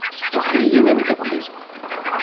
Tuker-iyi amdakel-iw!